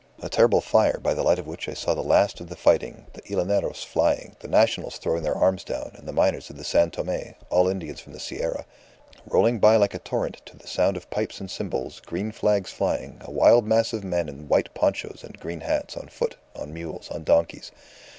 A terrible fire, by the light of which I saw the last of the fighting, the llaneros flying, the Nationals throwing their arms down, and the miners of San Tome, all Indians from the Sierra, rolling by like a torrent to the sound of pipes and cymbals, green flags flying, a wild mass of men in white ponchos and green hats, on foot, on mules, on donkeys.